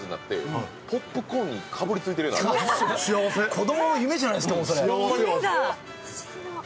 子供の夢じゃないですか、それ。